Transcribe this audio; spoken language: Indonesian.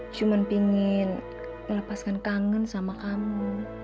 cuman pingin melepaskan kangen sama kamu